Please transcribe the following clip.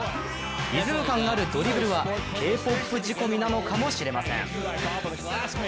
リズム感あるドリブルはＫ−ＰＯＰ仕込みなのかもしれません。